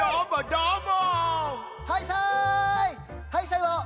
どーも！